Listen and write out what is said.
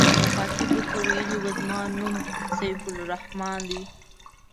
مخاطب ورته ویلي و زما نوم سیف الرحمن دی.